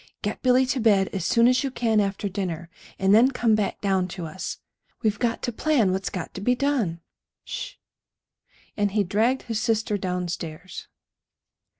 Get Billy to bed as soon as you can after dinner, and then come back down to us. We've got to plan what's got to be done. Sh h!" And he dragged his sister downstairs.